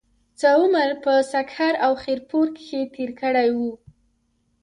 څۀ عمر پۀ سکهر او خېر پور کښې تير کړے وو